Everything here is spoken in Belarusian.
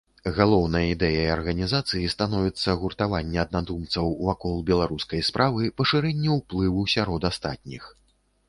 Галоўнай ідэяй арганізацыі становіцца гуртаванне аднадумцаў вакол беларускай справы, пашырэнне ўплыву сярод астатніх.